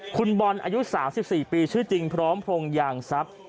คุณบอลอายุ๓๔ปีชื่อจริงพร้อมพรงยางทรัพย์